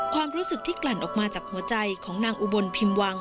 ความรู้สึกที่กลั่นออกมาจากหัวใจของนางอุบลพิมพ์วัง